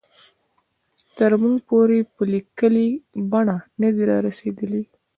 تر موږ پورې په لیکلې بڼه نه دي را رسېدلي.